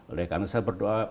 oleh karena saya berdoa